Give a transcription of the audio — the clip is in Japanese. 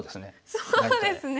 そうですね。